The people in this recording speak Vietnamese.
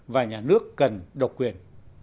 và nhà nước cần độc quyền